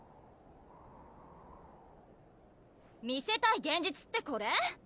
見せたい現実ってこれ？